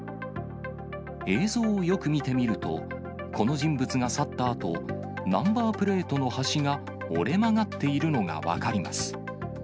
映像をよく見てみると、この人物が去ったあと、ナンバープレートの端が折れ曲がっているのが分かります。